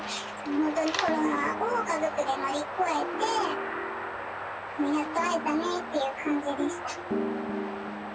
本当にコロナを家族で乗り越えて、やっと会えたねっていう感じでした。